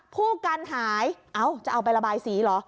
ผู้กันหายเอ้าจะเอาไประบายสีเหรอ